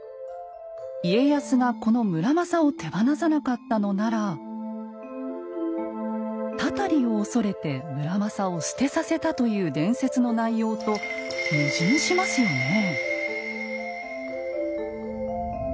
家康がこの村正を手放さなかったのなら祟りを恐れて村正を棄てさせたという伝説の内容と矛盾しますよね。